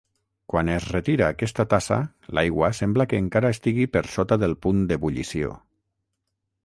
Quan es retira aquesta tassa l’aigua sembla que encara estigui per sota del punt d’ebullició.